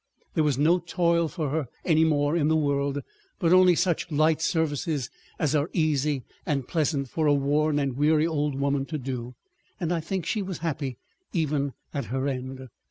There was no toil for her any more in the world, but only such light services as are easy and pleasant for a worn and weary old woman to do, and I think she was happy even at her end.